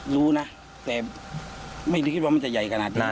รู้นะแต่ไม่ที่คิดมองมันจะใหญ่ขนาดนี้